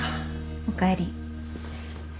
おかえり。